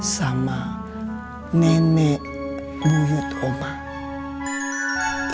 sama nenek buyut omah